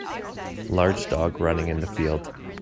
Large dog running in the field.